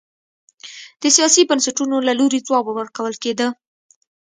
د سیاسي بنسټونو له لوري ځواب ورکول کېده.